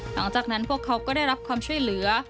หลังจากนั้นพวกเขาก็ได้รับความช่วยเหลือ